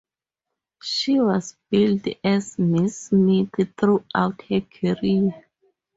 She was billed as Mrs Smith throughout her career.